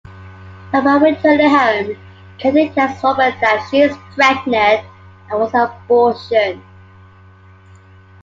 Upon returning home, Katherine tells Robert that she is pregnant and wants an abortion.